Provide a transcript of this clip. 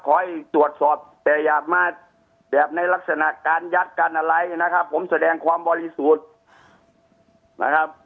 ให้ตรวจสอบแต่อย่ามาแบบในลักษณะการยัดการอะไรนะครับผมแสดงความบริสุทธิ์นะครับ